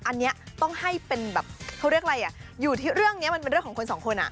อันนี้ต้องให้เป็นแบบเขาเรียกอะไรอ่ะอยู่ที่เรื่องนี้มันเป็นเรื่องของคนสองคนอ่ะ